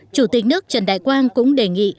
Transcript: chủ tịch nước trần đại quang đề nghị